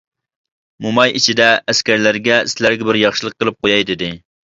موماي ئىچىدە ئەسكەرلەرگە: «سىلەرگە بىر ياخشىلىق قىلىپ قوياي» دېدى.